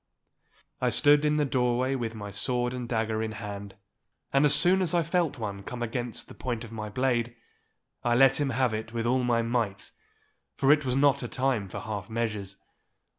I stood in the doorway with my sword and dagger in hand, and as soon as I felt one come against the point of my blade, I let him have it with all my might, for it was not a time for half measures.